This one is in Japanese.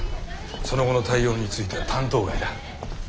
その後の対応については担当外だ。